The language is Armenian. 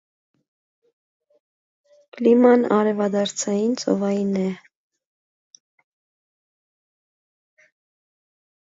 Կլիման արևադարձային ծովային է։